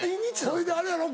ほいであれやろ？